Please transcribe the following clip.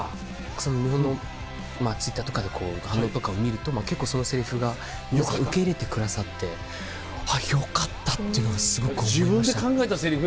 日本のＴｗｉｔｔｅｒとかで反応とかを見ると結構そのセリフが皆さん。あっよかった！っていうのはすごく思いました。